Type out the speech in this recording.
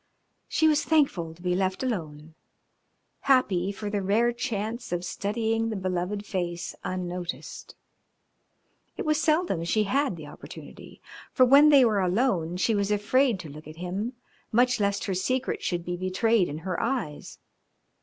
She was thankful to be left alone, happy for the rare chance of studying the beloved face unnoticed. It was seldom she had the opportunity, for when they were alone she was afraid to look at him much lest her secret should be betrayed in her eyes.